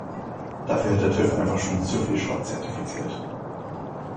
Dafür hat der TÜV einfach schon zu viel Schrott zertifiziert.